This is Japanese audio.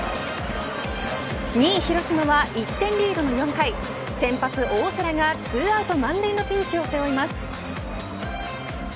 ２位広島は一点リードの４回先発、大瀬良が２アウト満塁のピンチを背負います。